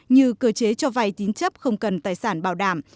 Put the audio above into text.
như cơ chế cho vay tín chấp không cần tài sản bảo đảm